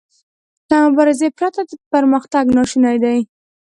له مبارزې پرته پرمختګ ناشونی دی.